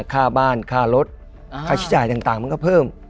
ค่าบ้านค่ารถค่าใช้จ่ายต่างมันก็เพิ่ม